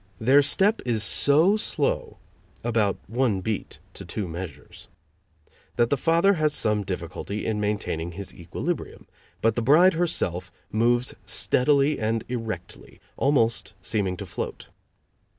Their step is so slow (about one beat to two measures) that the father has some difficulty in maintaining his equilibrium, but the bride herself moves steadily and erectly, almost seeming to float.